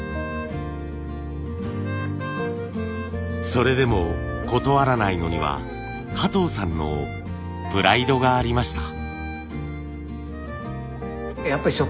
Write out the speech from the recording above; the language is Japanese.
それでも断らないのには加藤さんのプライドがありました。